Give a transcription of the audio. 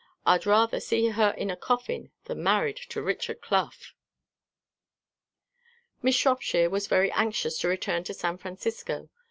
I'd rather see her in her coffin than married to Richard Clough." Miss Shropshire was very anxious to return to San Francisco.